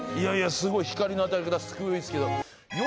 すごい光の当たり方すごいですけど。